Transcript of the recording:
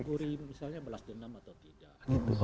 ya teguri misalnya belas dan enam atau tidak